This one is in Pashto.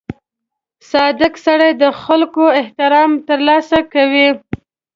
• صادق سړی د خلکو احترام ترلاسه کوي.